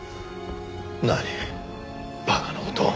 何馬鹿な事を。